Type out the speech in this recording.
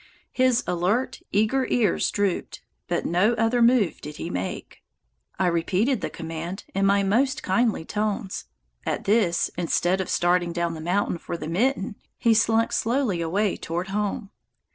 His alert, eager ears drooped, but no other move did he make. I repeated the command in my most kindly tones. At this, instead of starting down the mountain for the mitten, he slunk slowly away toward home.